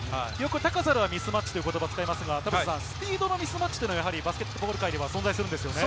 高さではミスマッチという言葉を使いますが、スピードのミスマッチはバスケットボール界では存在するんですよね。